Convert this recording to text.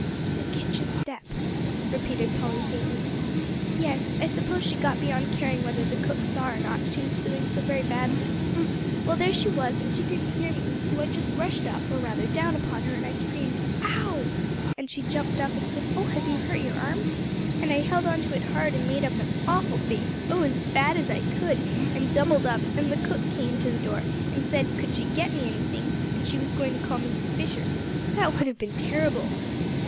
"The kitchen step," repeated Polly faintly. "Yes. I suppose she got beyond caring whether the cook saw or not, she was feeling so very badly. Well, there she was, and she didn't hear me, so I just rushed up, or rather down upon her, and then I screamed 'Ow!' And she jumped up, and said, 'Oh, have you hurt your arm?' And I held on to it hard, and made up an awful face, oh, as bad as I could, and doubled up; and the cook came to the door, and said could she get me anything, and she was going to call Mrs. Fisher. That would have been terrible."